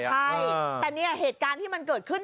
ใช่แต่เนี่ยเหตุการณ์ที่มันเกิดขึ้น